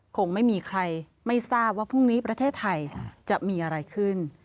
คงไม่มีใครไม่ทราบว่าพรุ่งนี้ประเทศไทยจะมีอะไรขึ้น